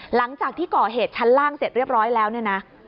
หลังจากที่ก่อเหตุชั้นล่างเสร็จเรียบร้อยแล้วเนี่ยนะ